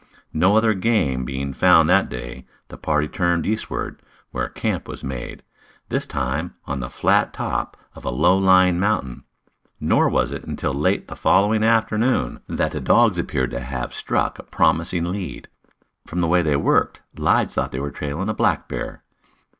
No other game being found that day, the party turned eastward, where camp was made, this time on the flat top of a low lying mountain. Nor was it until late the following afternoon that the dogs appeared to have struck a promising lead. From the way they worked Lige thought they were trailing a black bear.